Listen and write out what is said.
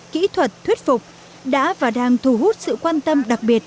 kỹ thuật thuyết phục đã và đang thu hút sự quan tâm đặc biệt